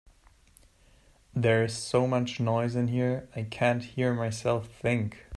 There is so much noise in here, I can't hear myself think.